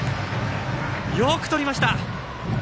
よくとりました！